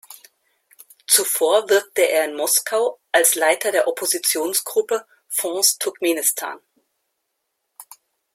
Zuvor wirkte er in Moskau als Leiter der Oppositionsgruppe „Fonds Turkmenistan“.